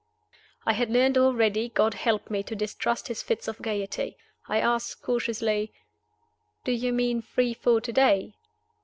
I had learned already (God help me!) to distrust his fits of gayety. I asked, cautiously, "Do you mean free for to day?"